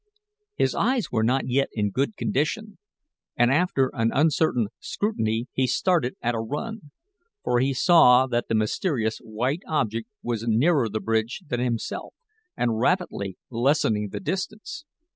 His eyes were not yet in good condition, and after an uncertain scrutiny he started at a run; for he saw that the mysterious white object was nearer the bridge than himself, and rapidly lessening the distance.